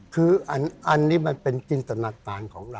คืออันนี้มันเป็นจินตนาการของเรา